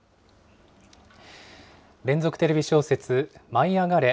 連続テレビ小説、舞いあがれ！